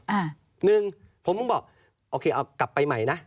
หนึ่งผมบอกโอเคกลับไปใหม่นะ